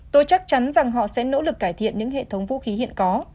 tôi chắc chắn rằng họ sẽ nỗ lực cải thiện những hệ thống vũ khí hiện có